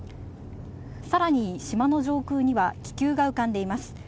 さらに、島の上空には気球が浮かんでいます。